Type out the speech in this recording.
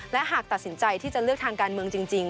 และหากตัดสินใจที่จะเลือกทางการเมืองจริง